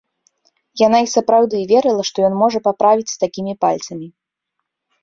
Яна і сапраўды верыла, што ён можа паправіць з такімі пальцамі.